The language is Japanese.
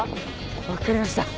分かりました。